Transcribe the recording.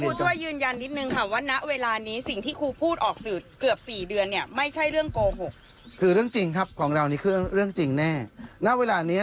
ครูคุณช่วยยืนยันนิดหนึ่งครับว่าณเวลานี้